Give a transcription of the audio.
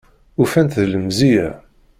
Ufan-tt d lemziyya